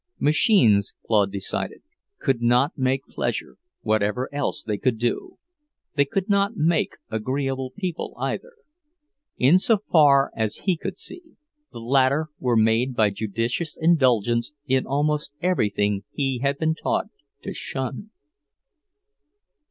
Machines, Claude decided, could not make pleasure, whatever else they could do. They could not make agreeable people, either. In so far as he could see, the latter were made by judicious indulgence in almost everything he had been taught to shun.